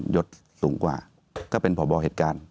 ยดสูงกว่าก็เป็นพบเหตุการณ์